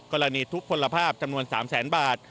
กรณีทุกข์พลภาพจำนวน๓๐๐๐๐๐บาท